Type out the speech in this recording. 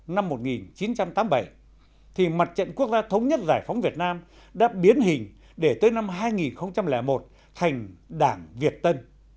nếu việt tại lào năm một nghìn chín trăm tám mươi bảy thì mặt trận quốc gia thống nhất giải phóng việt nam đã biến hình để tới năm hai nghìn một thành đảng việt tân